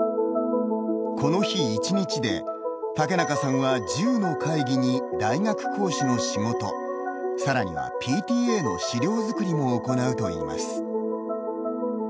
この日一日で竹中さんは１０の会議に大学講師の仕事更にはＰＴＡの資料作りも行うといいます。